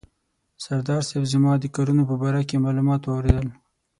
سردار صاحب زما د کارونو په باره کې معلومات واورېدل.